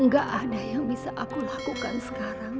gak ada yang bisa aku lakukan sekarang